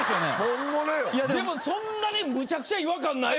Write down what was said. でもそんなにむちゃくちゃ違和感ないわ。